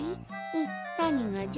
んっなにがじゃ？